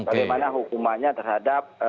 bagaimana hukumannya terhadap